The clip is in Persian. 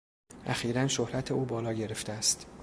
اخیرا شهرت او بالا گرفته است.